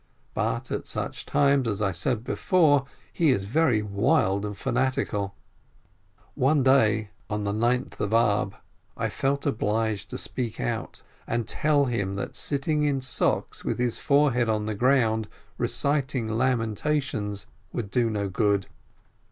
But at such times, as I said before, he is very wild and fanatical. One day, on the Ninth of Ab, I felt obliged to speak out, and tell him that sitting in socks, with his forehead on the ground, reciting Lamentations, would do no good.